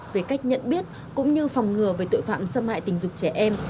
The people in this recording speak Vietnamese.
về cách nhận biết cũng như phòng ngừa về tội phạm xâm hại tình dục trẻ em